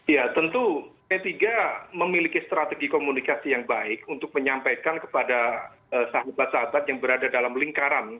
ya tentu p tiga memiliki strategi komunikasi yang baik untuk menyampaikan kepada sahabat sahabat yang berada dalam lingkaran